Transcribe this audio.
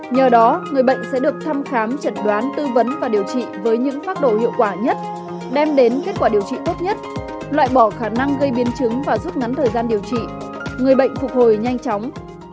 nhờ đó người bệnh sẽ được thăm khám chẩn đoán tư vấn và điều trị với những phác đồ hiệu quả nhất đem đến kết quả điều trị tốt nhất loại bỏ khả năng gây biến chứng và rút ngắn thời gian điều trị người bệnh phục hồi nhanh chóng